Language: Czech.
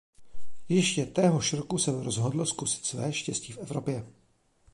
Ještě téhož roku se rozhodl zkusit své štěstí v Evropě.